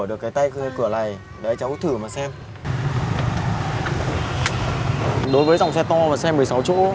đối với dòng xe to và xe một mươi sáu chỗ